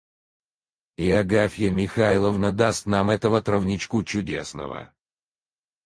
И Агафья Михайловна даст нам этого травничку чудесного...